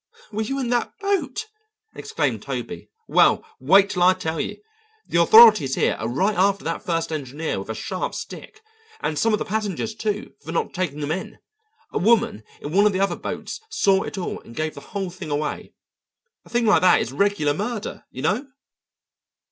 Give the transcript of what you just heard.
"Were you in that boat?" exclaimed Toby. "Well, wait till I tell you; the authorities here are right after that first engineer with a sharp stick, and some of the passengers, too, for not taking him in. A woman in one of the other boats saw it all and gave the whole thing away. A thing like that is regular murder, you know."